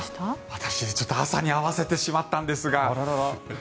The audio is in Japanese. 私、朝に合わせてしまったんですが。